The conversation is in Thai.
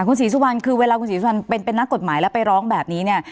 คุณศรีสุวรรณคือเวลาคุณศรีสุวรรณเป็นนักกฎหมายแล้วไปร้องแบบนี้เนี่ย